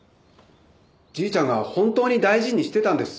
じいちゃんが本当に大事にしてたんです。